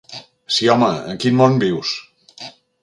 Sí home, en quin món vius?